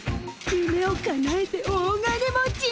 ゆめをかなえて大金持ち！